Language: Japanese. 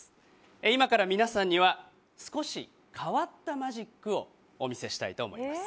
今から皆さんには少し変わったマジックをお見せしたいと思います。